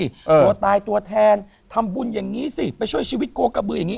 ตัวตายตัวแทนทำบุญอย่างนี้สิไปช่วยชีวิตโกกระบืออย่างนี้